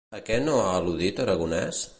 A què no ha al·ludit Aragonès?